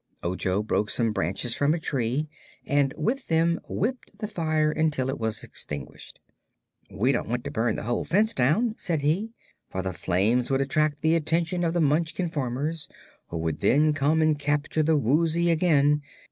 Ojo broke some branches from a tree and with them whipped the fire until it was extinguished. "We don't want to burn the whole fence down," said he, "for the flames would attract the attention of the Munchkin farmers, who would then come and capture the Woozy again.